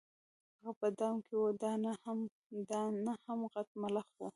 هم په دام کي وه دانه هم غټ ملخ وو